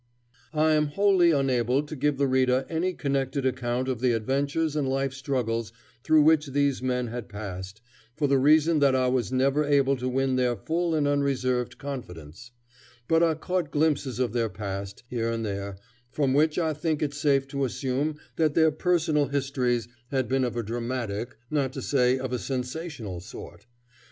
I am wholly unable to give the reader any connected account of the adventures and life struggles through which these men had passed, for the reason that I was never able to win their full and unreserved confidence; but I caught glimpses of their past, here and there, from which I think it safe to assume that their personal histories had been of a dramatic, not to say of a sensational sort.